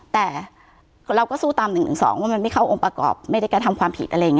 แต่เราก็สู้ตาม๑๑๒ไม่เข้าองค์ประกอบไม่ได้กระทำความผิด